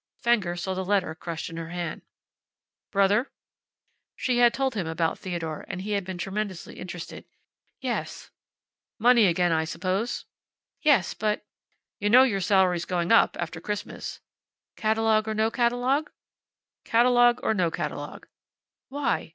Fenger saw the letter crushed in her hand. "Brother?" She had told him about Theodore and he had been tremendously interested. "Yes." "Money again, I suppose?" "Yes, but " "You know your salary's going up, after Christmas." "Catalogue or no catalogue?" "Catalogue or no catalogue." "Why?"